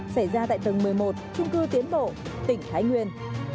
xảy ra tại tầng một mươi một trung cư tiến bộ tỉnh thái nguyên